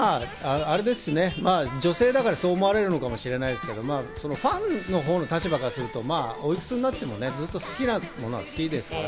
女性だからそう思われるのかもしれないですけど、ファンの立場からすると、おいくつになっても、ずっと好きなものは好きです。